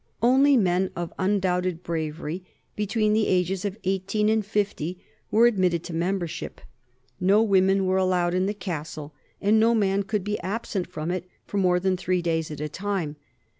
Only men of undoubted bravery between the ages of eighteen and fifty were admitted to membership; no women were allowed in the castle, and no man could be absent from it for more than three days at a time.